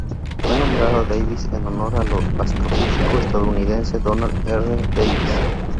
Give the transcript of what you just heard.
Fue nombrado Davis en honor al astrofísico estadounidense Donald R. Davis.